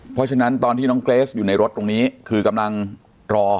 เพราะฉะนั้นตอนที่น้องเกรสอยู่ในรถตรงนี้คือกำลังรอ